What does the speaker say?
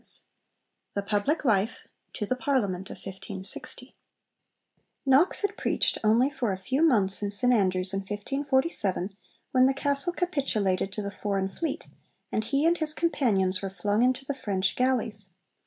11. CHAPTER IV THE PUBLIC LIFE: TO THE PARLIAMENT OF 1560 Knox had preached only for a few months in St Andrews in 1547, when the castle capitulated to the foreign fleet, and he and his companions were flung into the French galleys.